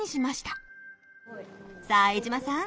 さあ江島さん